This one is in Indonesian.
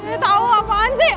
ya tau apaan sih